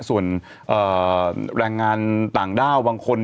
ส่วนแรงงานต่างด้าวบางคน